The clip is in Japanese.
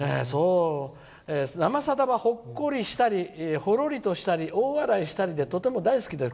「「生さだ」はほっこりしたりほろりとしたり大笑いしたりでとても大好きです。